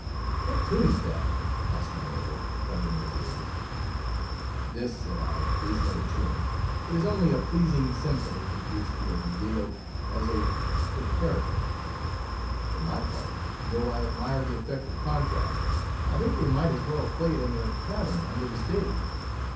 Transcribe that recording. What tune is that? asked my neighbour, covering his ears. This, said I, is no tune; it is only a pleasing symphony, with which we are regaled, as a preparative. For my part, though 1 admire the effect of contrast, I think they might as well play it in their cavern under the stage.